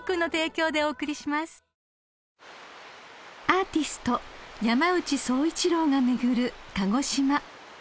［アーティスト山内総一郎が巡る鹿児島］